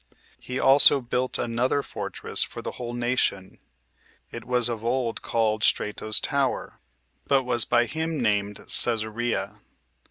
He also built another fortress for the whole nation; it was of old called Strato's Tower, but was by him named Cæsarea.